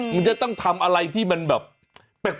มันจะต้องทำอะไรที่มันแบบแปลก